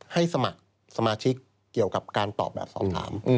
สมัครสมาชิกเกี่ยวกับการตอบแบบสอบถาม